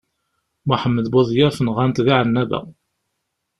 Muḥemmed Buḍyaf nɣant di Ɛennaba.